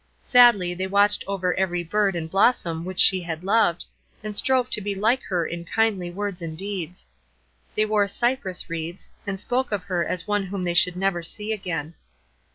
Sadly they watched over every bird and blossom which she had loved, and strove to be like her in kindly words and deeds. They wore cypress wreaths, and spoke of her as one whom they should never see again.